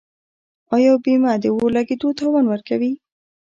آیا بیمه د اور لګیدو تاوان ورکوي؟